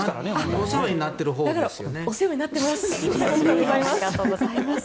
お世話になってます。